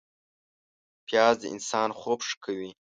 پیاز د انسان خوب ښه کوي